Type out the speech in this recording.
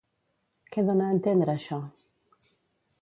Què dona a entendre això?